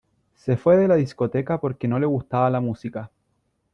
Se fue de la discoteca porque no le gustaba la música.